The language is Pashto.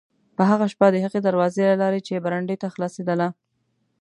په هغه شپه د هغې دروازې له لارې چې برنډې ته خلاصېدله.